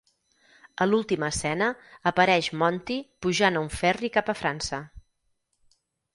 A l'última escena apareix Monty pujant a un ferri cap a França.